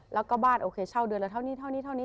แล้วก็บ้านโอเคเช่าเดือนละเท่านี้เท่านี้เท่านี้